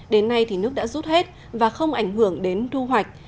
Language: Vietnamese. đến nay thì nước đã rút hết và không ảnh hưởng đến thu hoạch